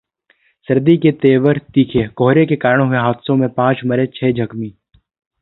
सर्दी के तेवर तीखे: कोहरे के कारण हुए हादसों में पांच मरे, छह जख्मी